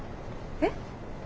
えっ？